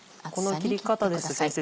この切り方ですと先生